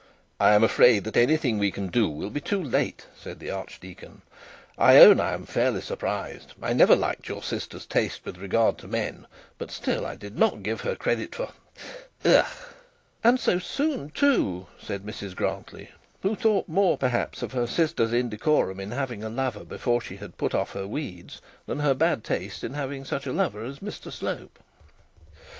'I am afraid that anything we can do will be too late,' said the archdeacon. 'I own I am fairly surprised. I never liked your sister's taste with regard to men; but still I did not give her credit for ugh!' 'And so soon, too,' said Mrs Grantly, who thought more, perhaps, of her sister's indecorum in having a lover before she had put off her weeds, than her bad taste in having such a lover as Mr Slope.